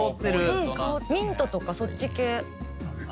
ミントとかそっち系。